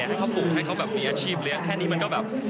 ให้เขาปลูกให้เขาแบบมีอาชีพเลี้ยงแค่นี้มันก็แบบ